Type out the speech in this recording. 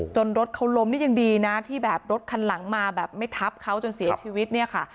รถเขาล้มนี่ยังดีนะที่แบบรถคันหลังมาแบบไม่ทับเขาจนเสียชีวิตเนี่ยค่ะ